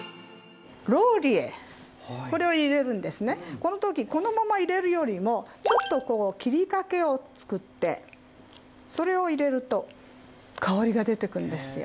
この時このまま入れるよりもちょっと切りかけをつくってそれを入れると香りが出てくんですよ。